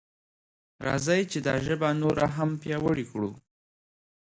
راځئ چې دا ژبه نوره هم پیاوړې کړو.